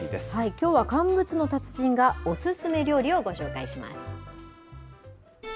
きょうは乾物の達人が、おすすめ料理をご紹介します。